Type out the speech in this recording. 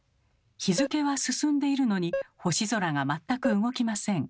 日付は進んでいるのに星空が全く動きません。